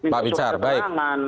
pak binsar baik